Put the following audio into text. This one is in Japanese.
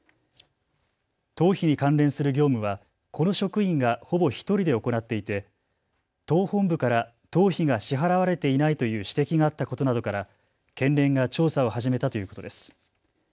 党費に関連する業務はこの職員がほぼ１人で行っていて党本部から党費が支払われていないという指摘があったことなどから県連が調査を始めたということです。